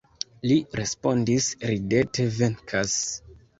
Li respondis ridete, venkas.